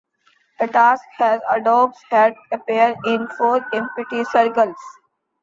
This task had a dog's head appear in four empty circles.